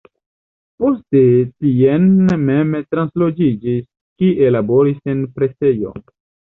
Poste tien mem translokiĝis, kie laboris en presejo.